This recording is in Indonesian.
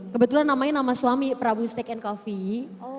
kebetulan namanya nama suami prabu steak and coffee